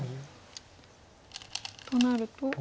となると。